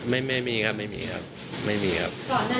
ไม่มีครับไม่มีครับ